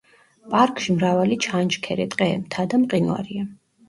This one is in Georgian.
პარკში მრავალი ჩანჩქერი, ტყე, მთა და მყინვარია.